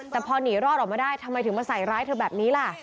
แต่พอหนีรอดออกมาได้ทำไมถึงมาใส่ร้ายเธอแบบนี้ล่ะ